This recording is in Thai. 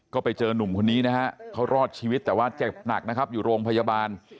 ก็ไปเจอนุ่มคนนี้นะฮะเขารอดชีวิตแต่ว่าเจ็บหนักนะครับอยู่โรงพยาบาล